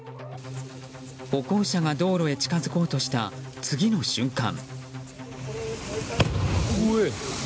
歩行者が道路へ近づこうとした次の瞬間。